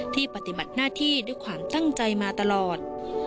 ปฏิบัติหน้าที่ด้วยความตั้งใจมาตลอด